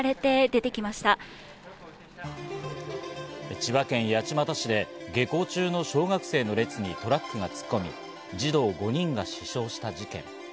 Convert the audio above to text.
千葉県八街市で下校中の小学生の列にトラックが突っ込み、児童５人が死傷した事件。